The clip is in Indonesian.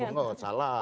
oh enggak salah